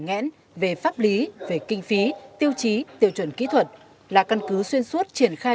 ngẽn về pháp lý về kinh phí tiêu chí tiêu chuẩn kỹ thuật là căn cứ xuyên suốt triển khai